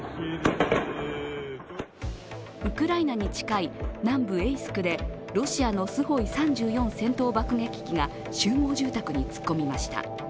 一方、ロシアではウクライナに近い南部エイスクでロシアのスホイ３４戦闘爆撃機が集合住宅に突っ込みました。